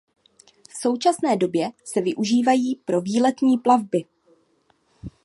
V současné době se využívají pro výletní plavby.